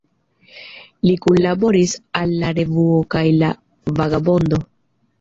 Li kunlaboris al "La Revuo" kaj "La Vagabondo.